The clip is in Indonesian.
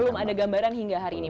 belum ada gambaran hingga hari ini